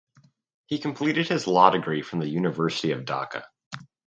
He completed his law degree from the University of Dhaka.